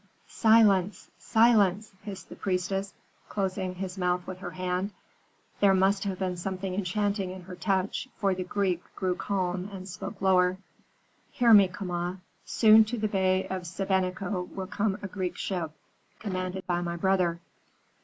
"Silence! silence!" hissed the priestess, closing his mouth with her hand. There must have been something enchanting in her touch, for the Greek grew calm, and spoke lower. "Hear me, Kama. Soon to the bay of Sebenico will come a Greek ship, commanded by my brother.